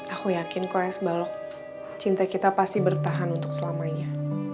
aku yakin croiss balok cinta kita pasti bertahan untuk selamanya